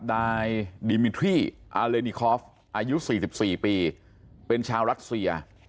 นายดิมิทรี่อเลนิคอฟอายุสี่สิบสี่ปีเป็นชาวรัสเซีย